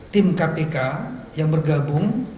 tim kpk yang bergabung